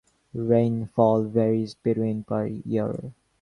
Rainfall varies between per year.